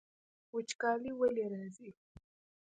وچکالي ولې راځي؟